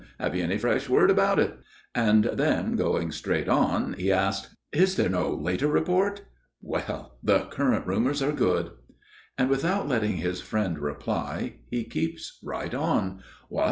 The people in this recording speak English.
Have you any fresh word about it?" and then going straight on, he asks: "Is there no later report? Well! the current rumors are good." And without letting his friend reply, he keeps right on: "What!